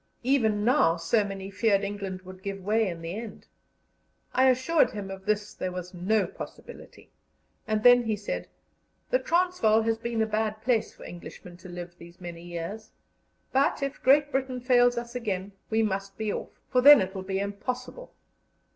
Even now, so many feared England would give way again in the end. I assured him of this there was no possibility, and then he said: "The Transvaal has been a bad place for Englishmen to live these many years; but if Great Britain fails us again, we must be off, for then it will be impossible."